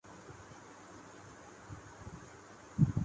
بننا آسان نہیں ہوتا